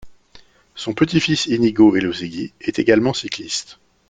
Son petit-fils Íñigo Elosegui est également cycliste.